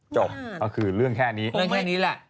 จบเอาถือด้วยเรื่องแค่นี้มาต้องล้างแค่นี้ละ